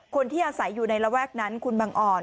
คนที่อาศัยอยู่ในระแวกนั้นคุณบังอ่อน